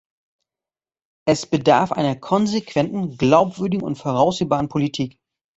Es bedarf einer konsequenten, glaubwürdigen und voraussehbaren Politik.